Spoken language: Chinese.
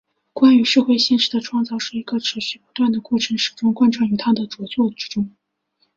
关于社会现实的创造是一个持续不断的过程始终贯穿于他的着作之中。